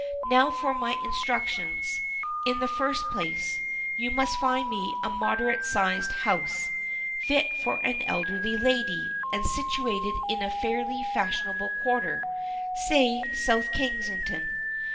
Now for my instructions. In the first place, you must find me a moderate sized house, fit for an elderly lady, and situated in a fairly fashionable quarter, say South Kensington.